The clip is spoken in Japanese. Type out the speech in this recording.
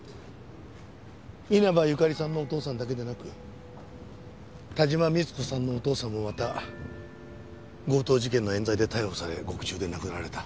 稲葉由香利さんのお父さんだけでなく田島三津子さんのお父さんもまた強盗事件の冤罪で逮捕され獄中で亡くなられた。